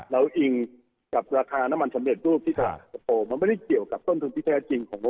อิงกับราคาน้ำมันสำเร็จรูปที่จะโผล่มันไม่ได้เกี่ยวกับต้นทุนที่แท้จริงของ